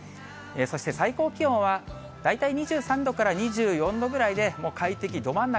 そして最高気温は、大体２３度から２４度ぐらいで、快適ど真ん中。